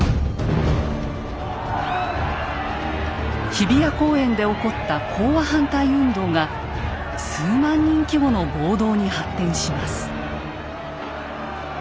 日比谷公園で起こった講和反対運動が数万人規模の暴動に発展します。